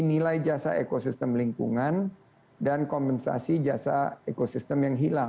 nilai jasa ekosistem lingkungan dan kompensasi jasa ekosistem yang hilang